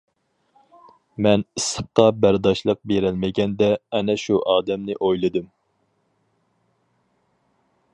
مەن ئىسسىققا بەرداشلىق بېرەلمىگەندە، ئەنە شۇ ئادەمنى ئويلىدىم.